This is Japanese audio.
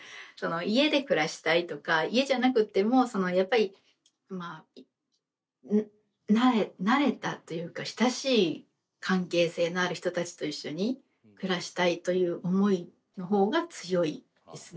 家で暮らしたいとか家じゃなくてもやっぱり慣れたというか親しい関係性のある人たちと一緒に暮らしたいという思いの方が強いですね。